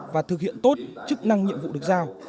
và thực hiện tốt chức năng nhiệm vụ được giao